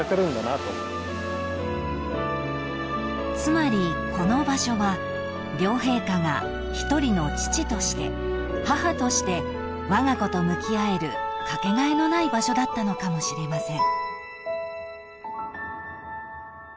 ［つまりこの場所は両陛下が一人の父として母としてわが子と向き合えるかけがえのない場所だったのかもしれません］